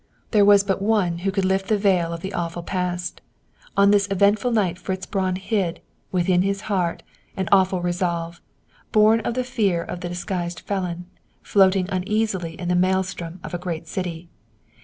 There was but one who could lift the veil of the awful past. On this eventful night Fritz Braun hid, within his heart, an awful resolve, born of the fear of the disguised felon, floating uneasily in the maelstrom of a great city.